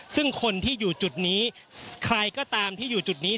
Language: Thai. ซึ่งคนที่อยู่จุดนี้ใครก็ตามที่อยู่จุดนี้